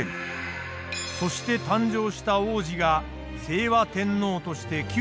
そして誕生した皇子が清和天皇として９歳で即位。